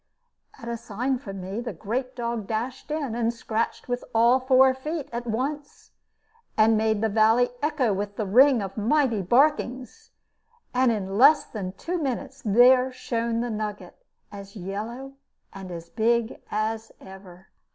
At a sign from me, the great dog dashed in, and scratched with all four feet at once, and made the valley echo with the ring of mighty barkings; and in less than two minutes there shone the nugget, as yellow and as big as ever.